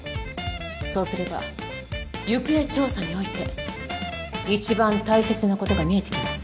そうすれば行方調査において一番大切なことが見えてきます